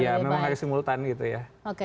iya memang harus simultan gitu ya